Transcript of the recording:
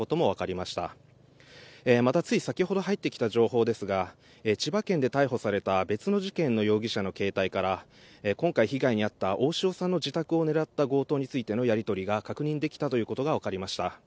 また、つい先ほど入ってきた情報ですが千葉県で逮捕された別の事件の容疑者の携帯から今回、被害に遭った大塩さんの自宅を狙った強盗についてのやり取りが確認できたということがわかりました。